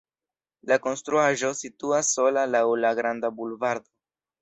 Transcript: La konstruaĵo situas sola laŭ la granda bulvardo.